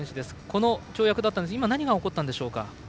この跳躍でしたが今、何が起こったんでしょうか。